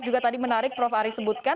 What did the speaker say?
juga tadi menarik prof ari sebutkan